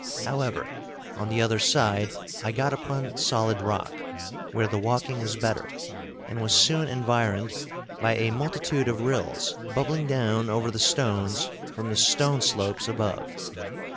However, on the other side I got upon solid rock, where the walking was better, and was soon environed by a multitude of rills bubbling down over the stones from the stone slopes above.